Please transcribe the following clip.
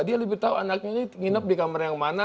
dia lebih tahu anaknya ini nginep di kamar yang mana